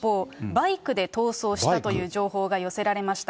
バイクで逃走したという情報が寄せられました。